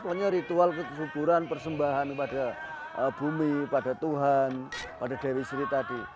pokoknya ritual kesuburan persembahan kepada bumi pada tuhan pada dewi sri tadi